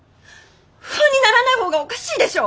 不安にならない方がおかしいでしょ！